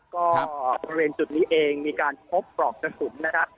ก็บริเวณจุดนี้เองมีการพบปลอกกระสุนนะครับ